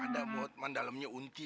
ada buat mandalamnya unti